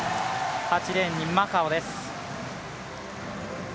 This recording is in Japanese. ８レーンにマカオです。